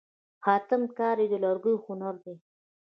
خاتم کاري د لرګیو هنر دی.